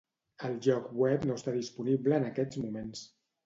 El lloc web no està disponible en aquests moments